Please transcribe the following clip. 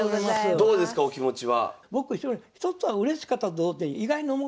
どうですかお気持ちは。